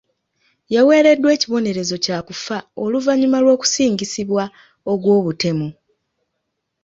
Yaweereddwa ekibonerezo kya kufa oluvannyuma lw'okusingisibwa ogw'obutemu.